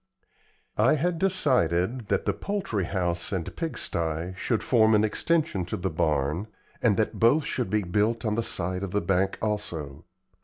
I had decided that the poultry house and pigsty should form an extension to the barn, and that both should be built in the side of the bank also.